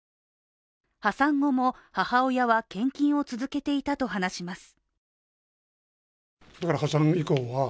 破産後も母親は献金を続けていたと話します。